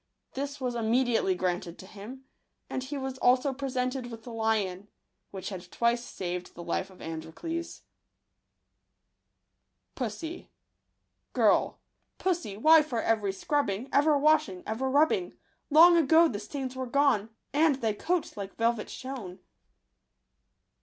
This was immediately granted to him ; and he was also presented with the lion, which had twice saved the life of Androcles. GirL — Pussy, why for ever scrubbing, Ever washing, ever rubbing ? Long ago the stains were gone, And thy coat like velvet shone.